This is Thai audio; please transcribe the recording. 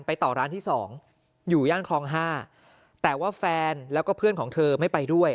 ต่อร้านที่๒อยู่ย่านคลอง๕แต่ว่าแฟนแล้วก็เพื่อนของเธอไม่ไปด้วย